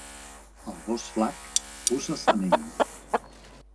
Al gos flac, puces amb ell.